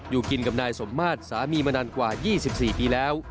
อยู่กินกับนายสมมาตรสามีมานานกว่า๒๔ปีแล้ว